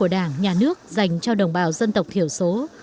của đảng nhà nước dành cho đồng bào dân tộc thiểu số